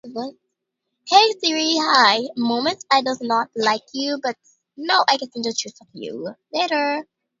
Most of these designers employ fetish models for their clothing line.